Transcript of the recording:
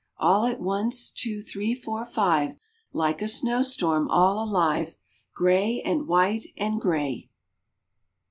All at once, two, three, four, five Like a snowstorm all alive, Gray and white, and gray!